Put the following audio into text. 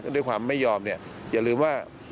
ด้วยความไม่ยอมเนี่ยอย่าลืมว่า